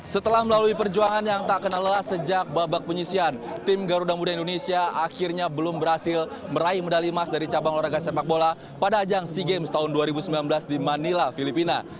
setelah melalui perjuangan yang tak kenal lelah sejak babak penyisian tim garuda muda indonesia akhirnya belum berhasil meraih medali emas dari cabang olahraga sepak bola pada ajang sea games tahun dua ribu sembilan belas di manila filipina